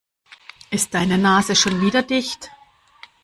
Ist deine Nase schon wieder dicht?